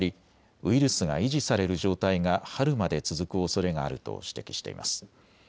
ウイルスが維持される状態が春まで続くおそれがあると指摘しています。